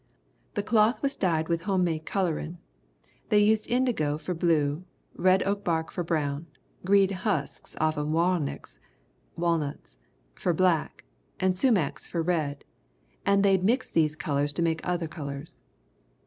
The cloth was dyed with home made coloring. They used indigo for blue, red oak bark for brown, green husks offen warnicks (walnuts) for black, and sumacs for red and they'd mix these colors to make other colors.